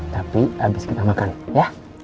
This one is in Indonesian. tapi habis kita makan ya